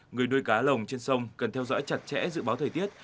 người nuôi cá lồng trên sông cần theo dõi chặt chẽ dự báo thời tiết